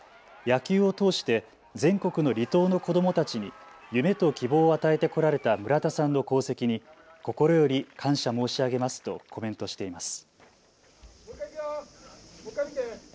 野球を通して全国の離島の子どもたちに夢と希望を与えてこられた村田さんの功績に心より感謝申し上げますとコメントしています。